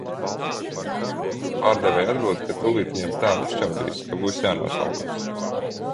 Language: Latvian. Pārdevēja atbild, ka tūlīt viņam tā uzšķaudīs, ka būs jānoslaukās.